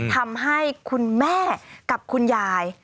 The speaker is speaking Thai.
ทำให้คุณแม่กับคุณยาย